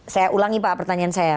saya ulangi pak pertanyaan saya